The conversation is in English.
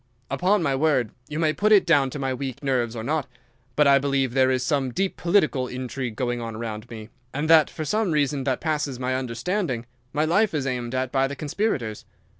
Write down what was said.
"Upon my word, you may put it down to my weak nerves or not, but I believe there is some deep political intrigue going on around me, and that for some reason that passes my understanding my life is aimed at by the conspirators.